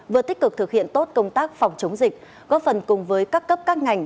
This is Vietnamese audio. vừa tích cực thực hiện tốt công tác phòng chống dịch góp phần cùng với các cấp các ngành